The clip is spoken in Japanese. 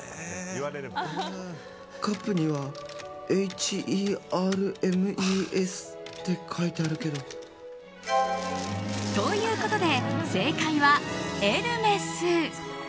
カップにはＨＥＲＭＥＳってということで正解はエルメス。